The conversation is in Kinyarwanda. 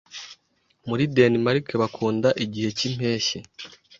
Muri Denmark bakunda igihe cy'impeshyi